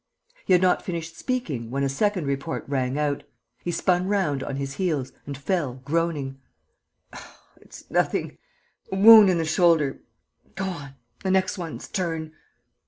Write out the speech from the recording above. He had not finished speaking, when a second report rang out. He spun round on his heels and fell, groaning: "It's nothing ... a wound in the shoulder.... Go on.... The next one's turn!"